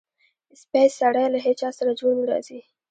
سپی سړی له هېچاسره جوړ نه راځي.